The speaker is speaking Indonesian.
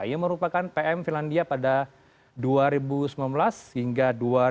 yang merupakan pm finlandia pada dua ribu sembilan belas hingga dua ribu dua